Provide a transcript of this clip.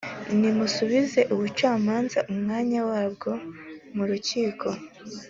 nimusubize ubucamanza umwanya wabwo mu rukiko,